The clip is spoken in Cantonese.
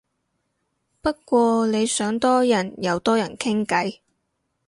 不過你想多人又多人傾偈